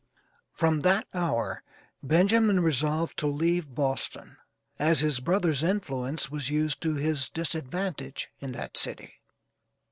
From that hour Benjamin resolved to leave Boston, as his brother's influence was used to his disadvantage in that city.